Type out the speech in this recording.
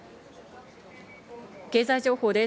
経済情報です。